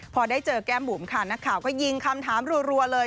พอได้เจอแก้มบุ๋มค่ะนักข่าวก็ยิงคำถามรัวเลย